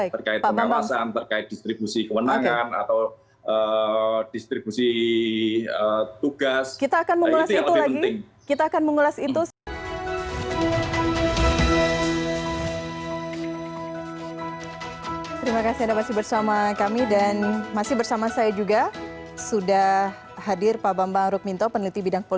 terkait pengawasan terkait distribusi kewenangan